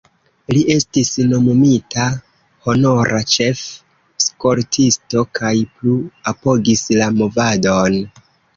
Li estis nomumita honora ĉef-skoltisto kaj plu apogis la movadon.